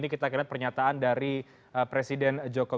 untuk mbak stiljo secara terperanjakan